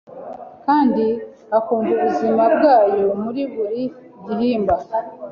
Kandi akumva ubuzima bwayo muri buri gihimba